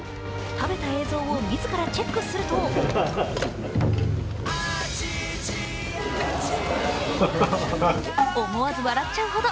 食べた映像を自らチェックすると思わず笑っちゃうほど。